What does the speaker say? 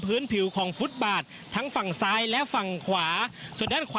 ผู้สื่อข่าวชนะทีวีจากฟิวเจอร์พาร์ครังสิตเลยนะคะ